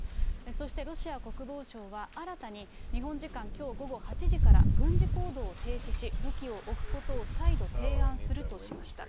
そしてロシア国防省は、新たに日本時間きょう午後８時から軍事行動を停止し、武器を置くことを再度提案するとしました。